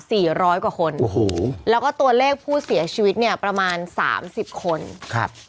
ร้อยกว่าคนโอ้โหแล้วก็ตัวเลขผู้เสียชีวิตเนี่ยประมาณสามสิบคนครับ